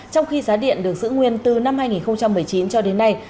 trong khi giá điện được giữ nguyên từ năm hai nghìn một mươi chín cho đến nay